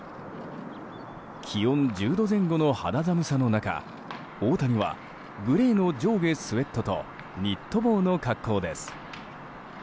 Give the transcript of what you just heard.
気温１０度前後の肌寒さの中大谷はグレーの上下スウェットとニット帽の格好です。